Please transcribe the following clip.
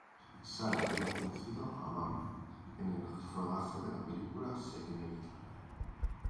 Sara había conocido a Mann en el rodaje de la película "Serenade".